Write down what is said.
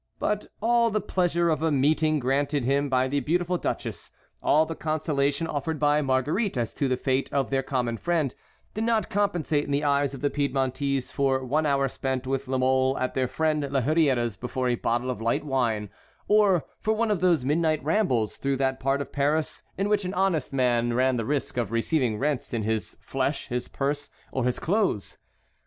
But all the pleasure of a meeting granted him by the beautiful duchess, all the consolation offered by Marguerite as to the fate of their common friend, did not compensate in the eyes of the Piedmontese for one hour spent with La Mole at their friend La Hurière's before a bottle of light wine, or for one of those midnight rambles through that part of Paris in which an honest man ran the risk of receiving rents in his flesh, his purse, or his clothes.